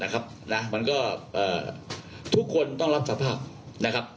นะครับน่ะมันก็เอ่อทุกคนต้องรับสรรพาพนะครับ